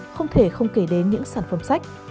không thể không kể đến những sản phẩm sách